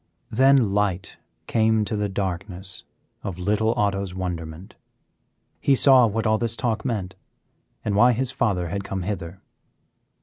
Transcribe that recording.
Then light came to the darkness of little Otto's wonderment; he saw what all this talk meant and why his father had come hither.